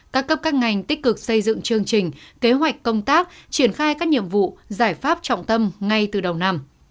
các cấp các ngành tích cực xây dựng chương trình kế hoạch công tác triển khai các nhiệm vụ giải pháp trọng tâm ngay từ đầu năm